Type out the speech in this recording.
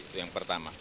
itu yang pertama